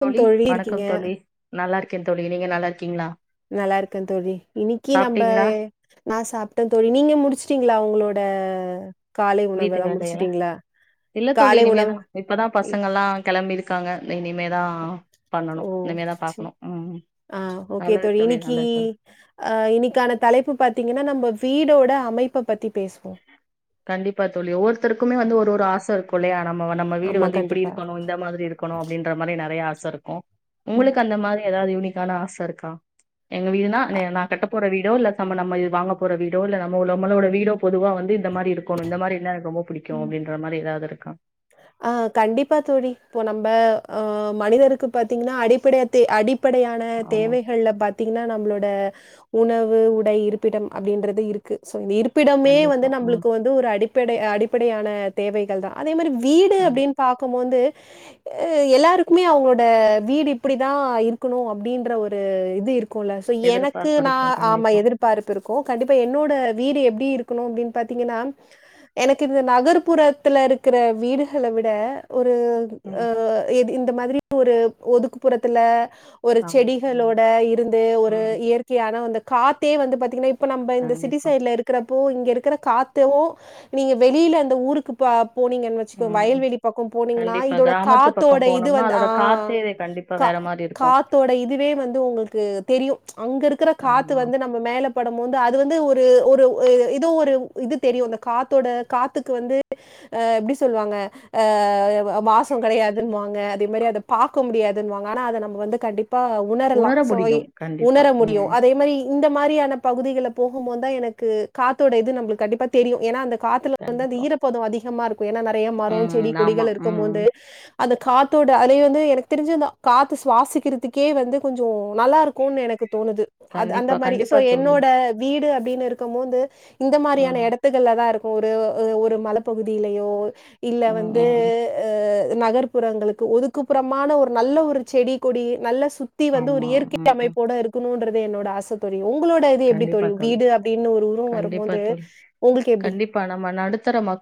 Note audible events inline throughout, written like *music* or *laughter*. க்கம் தோழி இருக்கீங்க. வணக்கம் தோழி நல்லா இருக். க்க தோழி நீங்க நல்லா இருக்கீங்களா. நல்லா இருக்க தோழி இன்னிக்கு நம்ப. சாப்ட்டீங்களா நா சாப்ட்ட தோழி நீங்க முடிச்சிட்டீங்களா உங்களோட. ட. வீட்டு வேலயல்லா இல்ல தோழி காலை உணவு இனிமேதா இப்பதா ம். பசங்க எல்லா கெளம்பிரு க்காங்க ஓ சரி பாக்கணு ம் ஆஹ் ஓகே நல்லது தோழி இன்னைக்கி நல்லது தோழி அஹ் இன்னைக்கான தலைப்பு பாத்தீங்கன்னா நம்ம வீடோட அமைப்ப பத்தி பேசுவோம். கண்டிப்பா தோழி ஒவ்வொருத்தருக்குமே வந்து ஒ ரு ஒரு ஆச இருக்குல்லயா நம்ம நம்ம வீடு ஆமா, வந்து இப்டி கண்டிப்பா. இருக்கணு இந்த மாதிரி இருக்கணு அப்டின்ற மாரி நெறைய ஆச ச இருக்கு ம். உங்களுக்கு அந்த மாரி ஏதாவது யூனிக்கான ஆச இருக்கா எங்க வீடுனா நா அ நா கட்டப்போற வீ டோ இல்ல ச நம்ம வாங்கப் போற வீடோ இல்ல நம்ம நம்மளோட வீடோ பொதுவா வந்து இ ந்த மாரி இருக்கணு இந்த மாரி இருந்தா எனக்கு ரொம்ப புடிக் கு அப்டின்ற மாரி ஏதாவது இரு அஹ் கண்டிப்பா தோழி இப்போ நம்ப அஹ் மனிதருக்கு பாத்தீங்கன்னா அடிப்படை தே அடிப் ப்படையான ஆமா தேவைகள்ல பாத்தீங்கன்னா நம்மளோட உணவு உடை இருப்பிடம் அப்டின்றது இருக்கு சோ இந்த இரு ப்பிடமே வந்து கண்டிப்பா ம் நம்பளுக்கு வந்து ஒரு அடி ப்படை அடிப்படையான தேவைகள்தா அதே மாரி வ் வீடு கண்டிப் அப்டின்னு பாக்கும்போது ஆ எல்லாருக்குமே அவங்களோட வீடு இப்பிடிதா இருக்கணு அப்டின்ற ஒரு இது இரு க்குல்ல சோ எனக்கு எதிர்பார்ப்பு நா இருக்கு ஆமா கண்டிப்பா எதிர்பார்ப்பு இரு க்கு கண்டிப்பா என்னோட வீடு எப்டி இருக்கணு அப்டின்னு பாத்தீங்கன்னா எனக்கு இந்த நகர்ப்புறத்தில இரு க்கிற வீடுகள விட ஒரு ஆ ம் இது இந் இந்த மாதிரி ஒரு ஒதுக்குப்புறத்தில ஒரு ஆமா ம் செடிகளோட இருந்து ஒரு ம் இயற்கையான அந்த காத்தே வந்து பாத்தீங்கன்னா இ ப்ப நம்ப இந்த சிட்டி கண்டிப்பா சைட்ல இருக்கிற இப்போ இங்க இருக்கிற காத்தும் நீங்க வெளில அந்த ஊருக்கு இப்ப போனிங்கன்னு வச்கோக்கோங்க ம் ம் வயல்வெளி பக்கோ போனிங்கன்னா கண்டிப்பா இதோட கிராமத்து காத்தோட பக்கம் இது போனோம்னா வந்து ஆ அதோட காத்தே கண்டிப்பா கா வேற மாரி இருக்கு காத்தோட இதுவே வந்து உங்களுக்கு தெரியு அங்க இருக்கற காத்து ஆமா வந்து நம்ம மேல படும்போது அது வந்து ஒரு ஒரு ஏதோ ஒரு இது தெரியு அந்த காத்தோட காத்துக்கு வந்து ஆ எப்டி சொல்வாங்க ஆ வாசொ கெடையாதுன்வாங்க அதே மாரி அத பாக்க முடியா துன்வாங்க ஆனா அத நம் வந்து கண்டிப் பா உணரலா உணர சோ முடியு கண்டிப்பா உணர முடியு ம் அதே மாரி இந்த மாரியான பகுதிகள்ல போகும்போதா எனக்கு காத்தோட இது நம்மளுக்கு கண்டிப்பா தெரியு ஏன்னா அந்த காத்துல வந்து அந்த கண்டிப்பா ஈர பதொ அதி கமா இருக்கு ஏனா நெறைய மரொ ம் செடி ஆமா கொடிகள் ம் இருக்கும்மோது ம் அந்த காத்தோட அலை வந்து எனக்கு தெரிஞ்சு அந்த காத்து சுவாசிக்கிறதுக்கே வந்து கொஞ்சோ நல்லா இருக்கூனு எனக்கு தோணுது அ அந்த கண்டிப்பா மாரி சோ கண்டிப்பா தோழி என்னோட வீடு ப்டின்னு இருக்கும் போது இந்த மாரியான ம் எடத்துகள்ல தா இருக் ஒரு ஒரு மலப் பகுதிலயோ இல்ல ம் வந்து ம் ம். அ நகர்ப்புறங்களுக்கு ஒதுக்குப்புறமான ஒரு நல்ல ஒரு செடி கொடி நல்ல சுத்தி வந்து ஒரு ஆமா இயற்கை ம் ம் அமைப்போடு இருக்கணுன்ற து என்னோட ஆச தோழி உங்களோட இது எப்டி தோழி வீடு அப்டின்னு ஒரு உறவு கண்டிப்பா வரும்போது தோழி உங்ளுக்கு எப்டி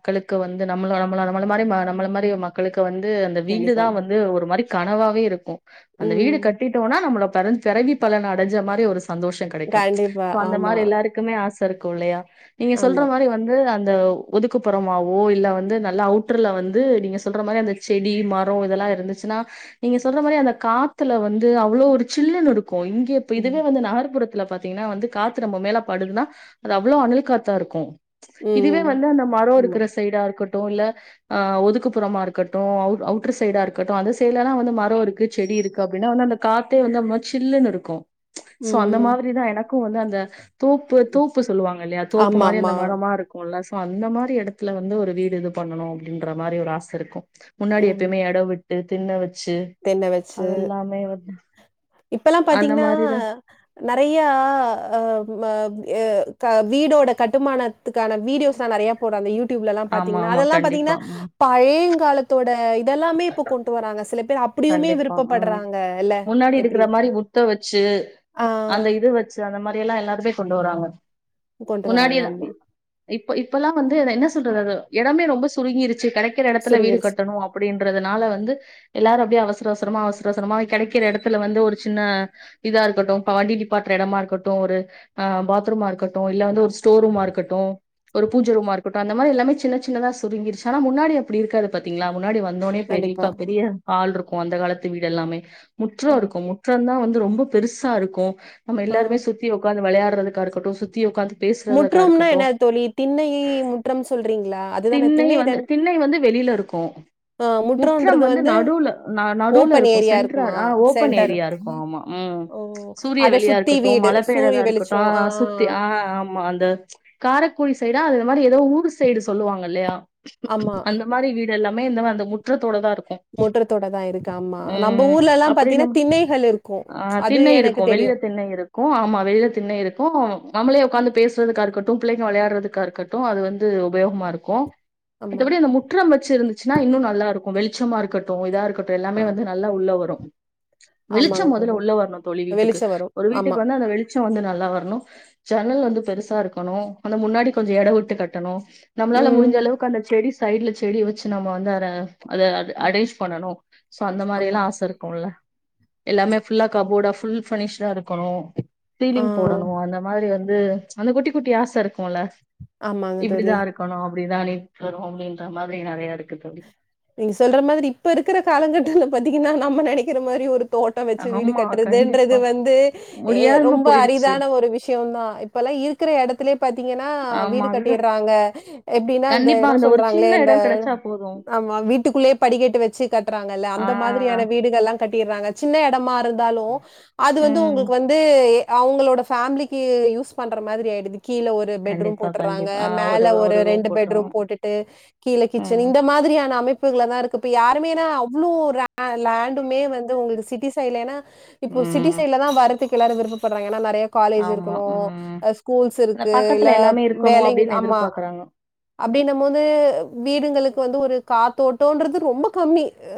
களுக்கு வந்து நம்மள நம்மள நம்மள மாரி நம்மள மாரி மக்களுக் கு வந்து அந்த வீடு தா கண்டிப்பாங்க. வந்து ஒரு மாரி கனவாவே இருக்கூ அந்த வீடு ம். கட்டிட்டோனா நம்மள பரிஞ் பெறவி பலன் அடஞ்ச மாரி ஒரு சந்தோஷொ கெடைக்கு கண்டிப்பா. சோ அந்த ஆமா, மாரி எல்லாருக்குமே ஆச இருக்கூல்லயா நீங்க ஆமா. சொல்ற மாரி வந்து அந் த ஒதுக்குப்புறமாவோ இல்ல வந்து நல்லா அவுட்டர்ல வந்து நீங்க சொல்ற மாரி அந்த செடி மரொ இதெல்லா இருந்துச்சுனா நீங்க சொல்ற மாரி அந்த காத்துல வந்து அவ்ளோ ஒரு சில்லனு இரு க்கு இங்கே இப்ப ம். இதுவே வந்து நகர்புறத் பாத்தீங்கனா வந்து காத்து நம்ம மேல படுதுனா அது அவ்ளோ அனல் காத்தா இருக்கு ம். இதுவே வந்து அந்த மரோ ஆமா. இருக்கிற சைடா இருக்கட் டு இல்ல அ ஒதுக்குப்புறமா இருக்கட்டு அவுட்டர் சைடா இருக்கட்டு அந்த சைட்லல்லா வந்து மரொ இருக்கு செடி இருக்கு அப்டின்னா வந்து அந்த காத்தே வந்து மா சில்லுன்னு இருக்கும் சோ அந்த ம். மாதி ரிதா எனக்கும் வந்து அந்த தோப்பு தோப்பு சொல்லுவாங்க இல்லையா தோப்பு மாரி ஆமாமா. அந்த மரமா இருக்குல்ல ஸோ அந்த மாரி இடத்துல வந்து ஒரு வீடு இது பண்ணணும் அப்படின்ற மாரி ஒரு ஆச இருக்கும் முன்னாடி ம். எப்பயுமே இட விட் தின்ன தென்ன வச்சு இப்பல்லாம் அந்த பாத்தீங்கன்னா மாரிதா நெறய ய அ ம எ க வீடோட கட்டுமானத்துக்கான வீடியோஸ்லா நெறய போடுறங்க யூ டியூப்பில்ல ஆமா பாத்தீங்கா ஆமா அதெல்லாம் கண்டிப்பா பாத்தீங்கன்னா ம் பழைய காலத்தோட எல்லாமே இப்ப கொண்டு வராங்க சில அப்படியுமே கண்டிப்பா உம் விருப்பப்படுறாங்க இல்ல? முன்னாடி எப்படி? இருடுக்கிற மாரி முத்த வச்சு ஆ அந்த இது வச்சு அந்த மாரி இப்ப எல்லா எல்லாருமே கொண்டு வராாங்க கொண்டு வராங்க அம்மா இப்ப இப்பல்லாம் வந்து என்ன சொல்றறது இடமே ரொம்ப சுருங்கிருச் *unintelligible* கிடைக்கிற இடத்துல வீடு சுருங்கிருச்சு. கட்டணும் அப்படின்றதுனால வந்து எல்லாரும் அப்படியே அவசர அவசரமா அவசர அவசரமா கிடைக்கிற இடத்துல வந்து ஒரு சின்ன இதா இருக்கட்டும் இப்ப வண்டி டிப்பட்டுற இடமா இருக்கட்டும் ஒரு ஆஹ் பாத்ரூமா இருக்கட்டும் இல்ல வ ஒருஸ்டோ ரூமா இருக்கட்டும் ஒரு பூஞ்ச ரூமா இருக்கட்டும் அந்த மாரி எல்லாமே சின்ன சின்னதான் சுருங்கிச்சுனா முன்னாடி அப்படி இருக்காது பாத்தீங்களா முன்னாடி வந்தோனே கண்டிப்பா. பெரியக்கப்பரிய ஆள் இருக்கும் அந்த காலத்து வீடு எல்லாமே ஆ, முற்றம் இருக்கும் முற்றம் தான் வந் ரொம்ப பெருசா இருக்கும் நம்ம ஆ. எல்லருமே சுத்தி உக்காந்து விளையா அதுக்க இருக்கட்டும் சுத்தி உட்கந்துக் முற்றோம்னா என்ன தோழி திண்ணையி முற்றம் சொல்றீங்களா அதுதானே திண்ணனை திண்ணை வந்து தான? திண்ணனை வந்து வெளியில இருக்கும் ஆ முற்றம் முற்றம்ன்றது வந்து நடுல ந நடுல ஓப்பன் இருக்கும் ஏரியா சென்ட்ரர் இருக்குமா? ஆஹ் ஓப்பன் சென்டர். ஏரியா இருக்கும் ஆமா உஹம் ஓ! சூரிய அத வெளியா சுத்தி இருக்கட்டும் வீடு. மழை சூரிய பெய்யதா வெளிச்சம். ஆ இருக்கட்டும் சுத்தி ஆஹ் ஆமா அந்த காரைக்குடி சைடா அது இந்த மாரி ஏதோ ஊர் சைடு சொல்லுவாங்க இல்லையா ஆமா. அந்த மாரி வீட் எல்லாமே இந்த அந்த முற்றத்தோ தான் இருக்கும் முற்றத்தோட தான் இருக்கு. ஆமா. நம்ப உம் ஊர்லலாம் அப்படி நம் பாத்தீங்கன்னா, திண்ணைகள் இருக்கும். அஹ் அது திண்ணனை எனக்கு இருக்கும் வெளியில தெரியும். திண்ணை இருக்கும் ஆமா வெளியில திண்ணை இருக்கும் நம்மளே உ்காந்து பேசறதுக்காக இருக்கட்டும் பிள்ளைங்க விளையாடுறதுக்காக இருக்கட்டும் அது வந்து உபயோகமா இருக்கும் ஆமா. மத்தபடி அந்த முற்றும் வச் இருந்துச்சுன்னா இன்னும் நல்லா இருக்கும் வெளிச்சமா இருக்கட்டும் இதா இருக் ஆ எல்லாமே வந்து நல்லா உள்ள வரும் ஆமாங்க வெளிச்சம் முதல்ல தோழி. உள்ள வரணும் தொழி வீட்டுக்கு வெளிச்சம் வரும். ஒரு ஆமா. வீட்டுக்கு வந்து அந்த வெளி வெளிச்சம் வந்து நல்லா வரணும் ஜன்னல் வந்து பெருசா இருக்கணும் அந்த முன்னாடி கொஞ்சம் எட விட்டு கட்டணும் நம்மளால ம். முடிஞ்சளவுக்கு அந்த செடி சைட்ல செடி வச்சு நம்ம வந்தற அத ம். அடஸ் பண்ணனும் சோ அந்த மாரி ஆமா. எல்லாம் ஆச இருக்கும்ல்ல எல்லாமே ஃபுல்லா கபோர்டா ஃபுல் ஃபர்னிஷ்டா இருக்கணும் ஆ திலிங் போடணும் அந்த மாரி வந்து அந்த குட்டி குட்டி ஆச இருக்கு ல ஆமாங்க தோழி. இப்டிதான் இருக்கு *unintelligible* அப்டிதான் நீ தரும் அப்டின்ற மாரி நெறைய இருக்குது *unintelligible* நீங்க சொல்ற மாரி இப்ப இருக்கிற காலங்கட்டத்து பாத்தீங்கன்னா நம்ம நெனக்கிற மாரி ஒரு தோட்டம் வச்சு வீடு ஆமா கட்டுறதுன்றது கண்டிப்பா வந்து முடியாம ரொம்ப போயிருச்சு அரிதான ஒரு விஷயம்தான் இப்ப எல்லாம் இருக்கிற இடத்துலயே பாத்தீங்கன்னா ஆமா வீடு அதுதான் கட்டடுறாங்க எப்டின்னா அந்த கண்டிப்பா என்ன ஒரு சொல்றாங்களே சின்ன இந்த இடம் கிடைச்சா போதும் ஆமா வீட்டுக்குள்ளயே படிக்கேட்டு வச்சு கட்டுறாங்கல்ல ஆ அந்த மாரியான வீடுகள் எல்லாம் கட்டிடுறாங்க சின்ன இடமா இருந்தாலும் அது வந்து ம் உங்களுக்கு வந்து அவங்களோட ஃபேமிலிக்கு யூஸ் பண்ணுற மாரி ஆயிடுது கீழ ஒரு பெட்ரூம் கண்டிப்பா போட்டுறாங்க கண்டிப்பா ஆ மேல ஒரு ரூம் ரெண்டு பெட்ரூம் போட்டுரும் போட்டுட்டு கீழ கிச்சன் ம் இந்த மாதிரியான அமைப்புகளான் இருக்கு இப்ப யாருமேனா அவ்ளோ லேண்டுமே வந்து உங்களுக்கு சிட்டி சைடுலா இப்போ சிட்டி ம் சைட்ல தான் வரத்துக்கு விருப்படுறங்கன்னா நெறைய காலேஜ் ஆமா இருக்கணும் ம் ஸ்கூல்ஸ் இந்த இருக்கு இல்ல பக்கத்துல எல்லாமே இருக்கணும் வேல அப்படின்னு ஆமா எதிர்பார்க்கறாங்க அப்டின்னும் போது வீடுகங்களுக் வந்து ஒரு கா தோட்டம்ன்றது ரொம்ப கம்மி அ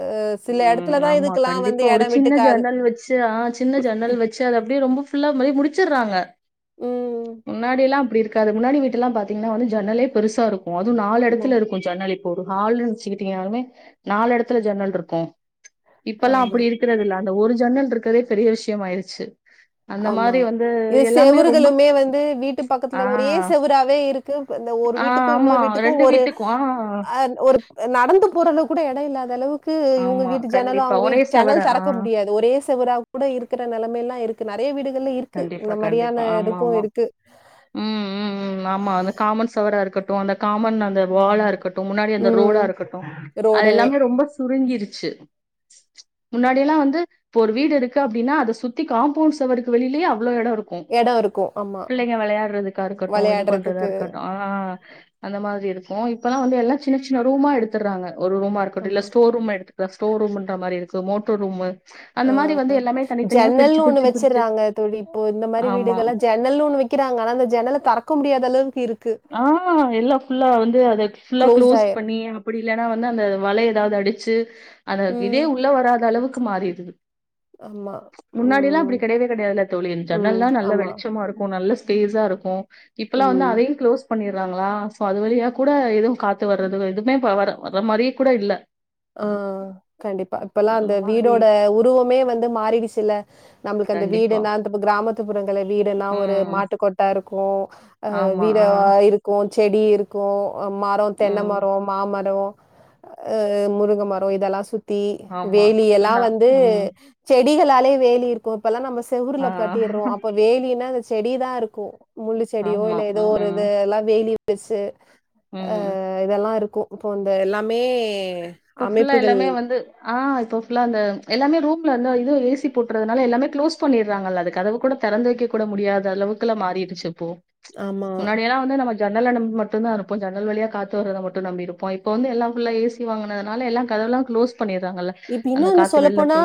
சில ம் இடத்துல தான் ஆமா இதுக்கெல்லாம் வந்து கண்டிப்பா ஒரு இடம் விட்டு சின்ன காது ஜன்னல் வச்சு ஆஹ் சின்ன ஜன்னல் வச்சு அது அப்டியே ரொம்ப ஃபுல்லா மாரி முடிச்சடுறாங்க ம். முன்னாடிய எல்லாம் அப்டி இருக் அது முன்னாடி வீட்டுலல்ல பாத்தீங்கா வந்து ஜன்னலே பெருசா இருக்கும் அது நாலு ஆமா. இடத்துல இருக்கும் ஜன்னல் ஹால்ச்சுக்கிட்டீங்காலுமே நாலு இடத்துல ஜன்னல் இருக்கும் *unintelligible* இப்பெல்லாம் ஆமா, அப்டி இருக்கறது இல்ல ஒரு ஜன்னல் இருக்கிறதே பெரிய விஷயம் ஆயிடுச்சு ஆமா இது ரொம்ப செவறுகளுமே வந்து வீட்டு பக்கத்துல ஆ ஒரே செவுராவே இருக்கு இந்த ஒரு ஆ வீட்டுக்கு ஆமா இன்னொரு வீட்டுக்கும் ரெண்டு ஒரு வீட்டுக்கு ஆ அஹ் ஒரு நடந்து ஓரளவக் கூட எடோயில்லாத அளவுக்கு க் இவங்க ஆமா வீட்டு ஜனலும் கண்டிப்பா அவங்க ஒரே வீட்டு செவர ஜன்னல் ஆ ‌‌தறக்க முடியாது ஒரே சேவரா கூட இருக்கிற நிலமையேல்லா கூட இருக்கு க்கு நெறைய வீடு கண்டிப்பா கண்டிப்பா ஆமா ஆமா உம் உம் உம் ஆமா அது காமன் செவுரா இருக் கட்டு அந்த காமன் அந்த வாலா இருக்க ட்டு முன்னாடி அந்த ம். ரோடா இருக்கட்டு அது ரோடு எல்லாமே ரொம்ப சுருங்கிருச்சு முன்னாடில்லா வந்து இப்ப ஒரு வீடு இருக்கு அப்டின்னா அத சுத்தி காம்பவுண்ட் செவுர் க்கு வெளிலயே அவ்ளோ எடோ இ ருக்கும் இடம் இருக்கும். ஆமா. பிள்ளைங்க வெளையாடுறதுக்கா இருக்கட்டு இது பண்றதா விளையாடுறதுக்கு. இருக்கட்டு ஆ அந்த மாரி இருக்கு இப்பெல்லா வந்து எல்லா சின்ன சின்ன ரூமா எடுத்துர்றாங்க ஒரு ரூமா இருக்கட்டு ஆமா. இல்ல ஸ்டோர் ரூமா எடுத்துக்கலா ஸ்டோர் ரூம்ன்ற மாரி இருக்கு இது மோட்டர் ரூம்மு ஆஹ் ஜன்னல்னு ஒண்ணு பிரிச்சு பிரிச்சு வச்சிராங்க தோழி இப்போ இந்த மாரி ஆமா வீடுகள்ல ஜன்னல்னு ஒன்னு வைக்குறாங்க ஆனா அந்த ஜன்னல தெறக்க முடியாத அளவுக்கு ங்க இருக்கு ஆஹ் எல்லா ஃபுல்லா வந்து அத ஃபுல்லா குளோஸ்ட் க்ளோஸ் ஆயிரும். பண்ணி அப்டி இல்லன்னா வந்து அந்த வல ஏதாவது அடிச்சு அந்த இதே ம். உள்ள வராத அளவு க்கு மாறிருது ஆமா. முன்னாடிலா ம். அப்டி கெடையவே கெடையாதுல தோழி ம். ஜன்னல்லா நல்ல ஆமா. வெளிச்சமா இருக்கும் நல்ல *unintelligible* இருக்கும் இப்பெல்லா வந்து ம். அதையு பண்ணிறாங்களா சோ அது வழியா கூட எதுவு காத்து வர்றது எதுமே இப்ப வர வர மாரியே கூட இல்ல ஆஹ் கண்டிப்பா இப்பல்லா அந்த வீடோட உருவமே வந்து மாறிடுச்சில்ல நம்மளுக்கு அந்த கண்டிப்பா. வீடெல்லா அந்த பக் கிரா மத்துப் புறங்கள்ல வீடுன்னா ஒரு ம். மாட்டுக்கொட்டா இருக் கோ அஹ் ஆமா. வீடா ஆ. இருக்கு செடி இருக்கு ஆ மரோ தென்ன ம். மரோ மா மரோ அ மு ங்க மரோ இதெல்லா சுத் தி ஆமா. வேலி எல்லா ஃபுல்லா. வந்து ம். செ *unintelligible* வேலி இருக்கு இப்பல்லா நம்ம ஆ. செவுருல கட்டிர்றோ அப்ப வேலினா இது செடி தான் இருக்கு முள்ளு செடியோ ஆமா. இல்ல ஏதோ ஒரு இது ம். எல்லாம் வேலி பேசு ம். அஹ் இதெல்லாம் இருக் இப்போ வந்து எல்லாமே இப்ப ஃபுல்லா அமைப்புகள் எல்லாமே வந்து ஆ இப்போ ஃபுல்லா அந்த எல்லாமே ரூம்ல இருந்து இது ஏசி போட்டுறதுனால எல்லாமே க்ளோஸ் பண்ணிடுறாங்கள அதுக்கு கதவு கூட திறந்து வைக்க கூட முடியாத அளவுக்கு மாறிடுச்சு ஆமா முன்னாடி எல்லாம் வந்து ஜன்னல்ல மட்டுதான் இருப்போம் ஜன்னல் வழிய காத்து வறத மட்டும் நம்பி இருப்போம் இப்ப வந்து எல்லாம் ஃபுல்லா ஏ சி வாங்கினதுனால எல்ல கதவுல்லாம் களோஸ் இப்ப இன்னும் ஒன்ன சொல்லப்போனா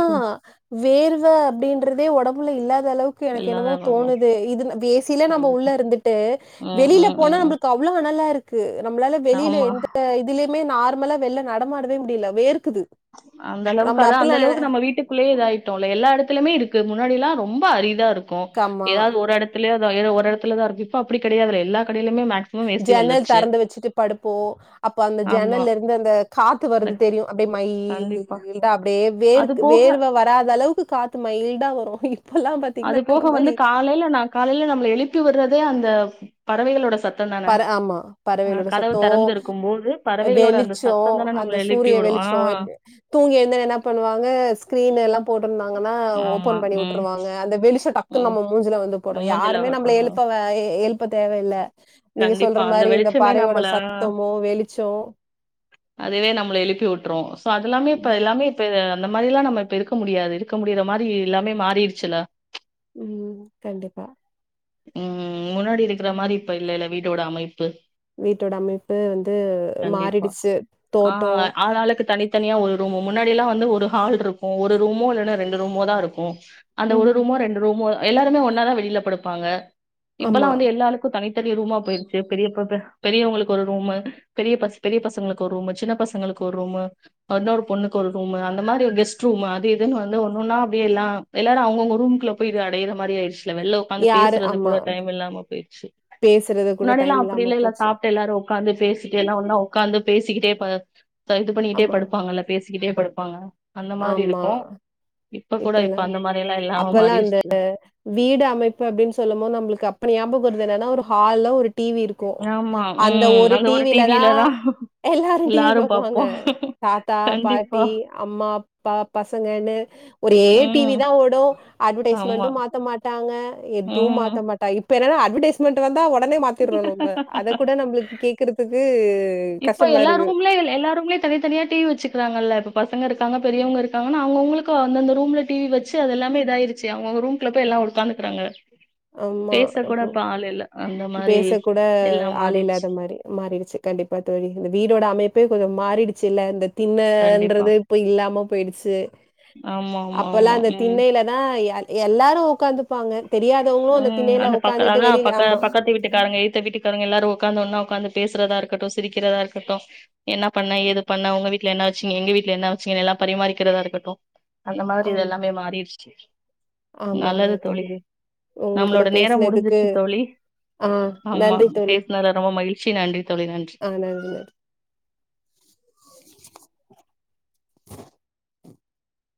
வேர்வை அப்படின்றதே ஒடம்புல இல்லாத அளவுக்கு எனக்கு என்னமோ எல்லாதாங்க தோணுது ஏசிலே நம்ம உள்ள கண்டிப்பா. இருந்துட்டு ம், வெளியில ம், போனா ம், ம். நம்ம அவ்ளவு அனலா இருக்கு நம்மளால வெளியில ஆமா. எந்த இதுலுமே நார் வெளில நடமாடவே முடியல வேறுக்குது அந்த அளவுக்கு அதான் அந்த அளவுக்கு நம்ம வீட்டுக்குள்ளே இதாயிட்டோம் எல்லா எல்லாமே இருக்கு முன்னாடி எல்லாம் ரொம்ப அரிதா இருக்கு இருக்கும் ஆமா. ஏதாவது ஒரு எடத்துல ஏன்ன ஒரு எடலதான் இருக்கு இப்ப அப்படி கிடையாதுல்ல எல்லா கடையிலுமே மேக்ஸிமம் ஏசி ஜன்னல் வந்துருச்சு. தெறந்து வச்சுட்டு படுப்போம் அப்போ அந்த ஆமா. ஜன்னல்ல இருந்து அந்த காத்து ந வருது தெரியும் கண்டிப்பா. அப்படிய *inaudible* அப்படியே அது வேர்க போக வேர்வை வராத அளவு க்கு காத்து மைல்டா வரும் இப்பல்லாம் அது பாத்தீங்கன்னா, போக அந்த வந்து மாரி காலையில நான் காலையில நம்மள எழுப்பி விடுறதே அந்த பறவைகளோட சத்த பறவை ஆமா பறவைையகளோட சத்தம் தெறந்திருக்கும் போது பறவைகளோட அந்த வெளிச்சம் சத்தம் தான அந்த நம்மள எழுப்பி சூரிய விடும் ஆ வெளிச்சம் தூங்கி எழுந்து என்ன பண்ணுவாங்க ஸ்கிரீன் எல்லாம் போட்டிருந்தாங்கன்னா ஆமா ஓபன் பண்ணி ம் விட்டுருவாங்க வெளிச்ச டக்கு ம் நம்ம மூஞ்சல வந்து நம்ம படும் மூஞ்சில யாருமே நம்ம படும் எழுப்ப எழுப்ப இப்ப தேவ இல்ல கண்டிப்பா அந்த வெளிச்சமே நம்மள சத்தமோ, வெளிச்சம் அதுவே நம்மள எழுப்பி விட்டுறோம் இப்ப அதுல்லாமே இப்ப ம் எல்லாமே இப்ப அந்த மாதிரி எல்லாம் நம்ம இப்ப இருக்க முடியாது இருக்க முடியிற மாதிரி எல்லாமே மாறிடுச்சுல்ல உம் கண்டிப்பா உம் உம் உம் முன்னாடி இருக்கிற மாரி இப்ப இல்ல இல்ல வீடோட அமைப்பு வீட்டோட அமைப்பு வந்து கண்டிப்பா மாறிடுச்சு தோட்டோம் தனியா ஒரு ரூமு முன்னாடியல்லாம் வந்து ஒரு ஹால் இருக்கும் ஒரு ரூம் இல்லைன்னா ரெண்டு ரூமோ தான் இருக்கும் அந்த ஒரு ம் ரூமோ ரெண்டு ரூமோ எல்லாருமே ஒன்னா தான் வெளிலப்படுப் பாங்க ஆமா இப்பெல்லாம் வந்து எல்லாருக்கும் தனி தனி ரூமா போயிருச்சு பெரிய பெரியவுங்களுக்கு ஒரு ரூம் பெரிய பெரிய பசங்களுக்கு ஒரு ரூமு சின்ன பசங்களுக்கு ஒரு ரூமு இன்னொரு பொண்ணுக்கு ஒரு ரூம் அந்த மாரி ஒரு கெஸ்ட் ரூம் அது இதுன்னு வந்து ஒன்னுன்னா அப்படியே எல்லாம் எல்லாரும் அவங்கவுங்க ரூமுகூள்ள போய் அடையற மாரி ஆயிடுச்சுல வெல யாரு பேசுறது ஆமா கூட டைம் இல்லாம போய்டுச்சு பேசுறது கூட முன்னாடியெல்லாம் டைம் அப்படி இல்லாம இல்லலை இல்ல போச்சு சாப்டு எல்லாரும் உகாந்து பேசிட்டு எல்லாம் ஒன்னா உகாந்து பேசிக்கிட்டே படு இது பண்ணிட்டே ஆமா படுப்பாங்கல்ல பேச கிட்டே படுப்பாங்க அந்த மாரி இருக்கும் இப்பல்லாம் அப்பல்லாம் அந்த வீடு அமைப்பு ப்படின்னு சொல்லும் போது நம்மளுக்கு அப்பா ஞாபக இருந்தன்னனா ஒருஹால் ஒரு டிவி இருக்கும் ஆமா அந்த ம் ஒரு டிவிலதான் டிவிலதா எல்லாரும் டிவி எல்லாரு பாப்பாங்க பாப்போ தாத்தா கண்டிப்பா. பாட்டி அம்மா அப்பா பசங்கன்னு அதே டிவி ம். தான் ஓடும் ஆமா. அட்வடைஸ்மெண்டும் மாத்த மாட்டாங்க எதுவும் ம். மாத்த மாட்டாக இப்பஎன்ன அட்வெடைஸ்மன் வந்த உட உடனே மாத்திறோம் நம்ப அதை கூட நம்மளுக்கு கேக்கிறதுக்கு இப்ப எல்லா ரூம்லே எல்லா ரூம்லேயேதனிதனியா டிவி வச்சுக்கிறாங்கல்ல பசங்க இருக்காங்க பெரியவுங்க இருக்காங்கன்னா அவுங்கவுங்களுக்கு அந்தந்த ரூம்ல டிவி வச்சு அது எல்லாமே இதாயிருச்சு அவுங்கவுங்க ரூம்குல்ல போய்யல்லாம் உட்காந்துக்கறாங்க ஆமா இப்போ அந்த மாரி பேச கூட எல்லாம் ஆள் மாறிருச்சு. இல்லாத மாரி மாறிடுச்சு கண்டிப்பா தோழி இந்த வீடோட அமைப்பே கொஞ்சம் மாறிடுச்சு இல்ல இந்த கண்டிப்பா. தின்னன்றது இப்ப இல்லாம போய்டிச்சு ஆமா, ஆமா, அப்பல்லாம் ஆமா. அந்த ம். திண்ணையிலதான் எல்லாரும் உக்காந்துப் பாங்க தெரியாது உம் அந்த பக்க அதான் பக்க பக்கத்து வீட்டுக்காரங்க எய்த வீட்டுக்காரங்க எல்லாரும் உடக்காந்து ஒன்னா உட்காந்து பேசுறதா இருக்கட்டும் சிரிக்கிறதா இருக்கட்டும் என்ன பண்ண ஏது பண்ண உங்க விட் வீட்ல என்ன வச்சிங்க எங்கவீட்டுல என்ன வச்சிங்கன்ன எல்லாம் பரிமாறிக்கிறதா இருக்கட்டும் அந்த மாரி இது ஆமா. எல்லாமே மாறிச் *unintelligible* ஆமாங்க தோழி உங்க கூட நம்மளோட நேரம் பேஸ்னதுக்கு முடிஞ்சிருச்சு தோழி ஆஹ் ஆமா நன்றி தோலி பேசுனதுல ரொம்ப மகிழ்ச்சி நன்றி தோழி நன்றி ஆனா *inaudible* *unintelligible*